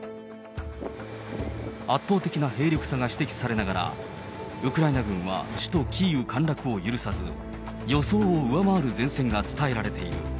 圧倒的な兵力差が指摘されながら、ウクライナ軍は首都キーウ陥落を許さず、予想を上回る前線が伝えられている。